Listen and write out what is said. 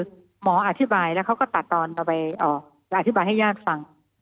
คือหมออธิบายแล้วเขาก็ตัดตอนเอาไปอธิบายให้ญาติฟัง